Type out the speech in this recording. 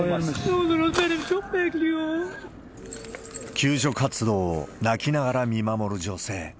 救助活動を泣きながら見守る女性。